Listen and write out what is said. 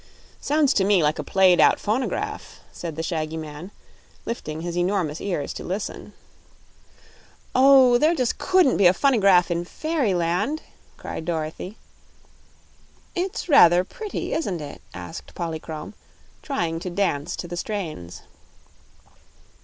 "Sounds to me like a played out phonograph," said the shaggy man, lifting his enormous ears to listen. "Oh, there just COULDN'T be a funnygraf in Fairyland!" cried Dorothy. "It's rather pretty, isn't it?" asked Polychrome, trying to dance to the strains.